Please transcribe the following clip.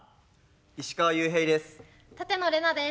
石川裕平です。